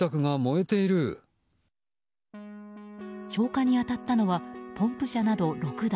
消火に当たったのはポンプ車など６台。